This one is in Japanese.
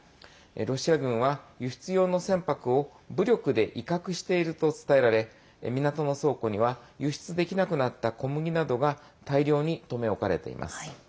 ロシア軍は輸出用の船舶を武力で威嚇していると伝えられ港の倉庫には輸出できなくなった小麦などが大量に留め置かれています。